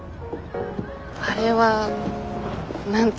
あれは何て言うか。